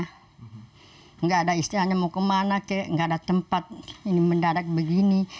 tidak ada istilahnya mau kemana kek nggak ada tempat ini mendadak begini